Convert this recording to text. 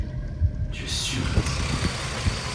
Tu es sûr qu’elles aimeront.